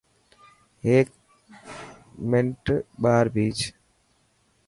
هيڪ منٽ ٻاهر ڀيچ.